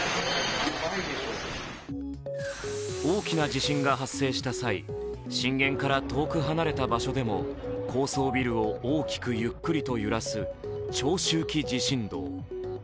大きな地震が発生した際、震源から遠く離れた場所でも高層ビルを大きくゆっくりと揺らす長周期地震動。